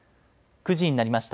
９時になりました。